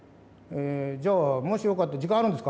「じゃあもしよかったら時間あるんですか」。